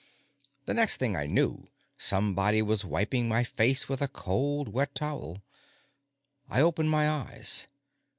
The next thing I knew, somebody was wiping my face with a cold, wet towel. I opened my eyes.